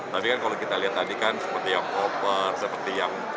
tapi kan kalau kita lihat tadi kan seperti yang oper seperti yang